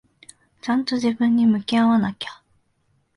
ちゃんと自分に向き合わなきゃ。